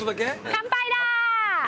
乾杯だ！